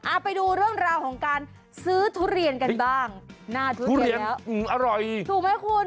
ไปดูเรื่องราวของการซื้อทุเรียนกันบ้างหน้าทุเรียนอร่อยถูกไหมคุณ